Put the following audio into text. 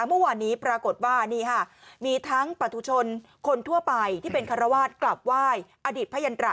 เมื่อวานนี้ปรากฏว่านี่ค่ะมีทั้งปฐุชนคนทั่วไปที่เป็นคารวาสกลับไหว้อดีตพระยันตรา